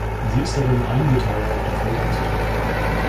Sie ist aber nur einige Tage auf dem Feld anzutreffen.